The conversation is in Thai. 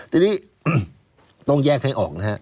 ทีนี้ต้องแยกให้ออกนะฮะ